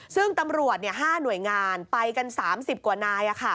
ซึ่งตำรวจ๕หน่วยงานไปกัน๓๐กว่านาย